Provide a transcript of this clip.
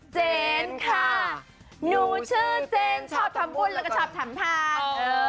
เจนค่ะหนูชื่อเจนชอบทำบุญแล้วก็ชอบทำทาน